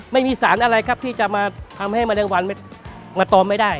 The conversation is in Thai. ไม่มีสารอะไรครับที่จะมาทำให้แมลงวันมาตอมไม่ได้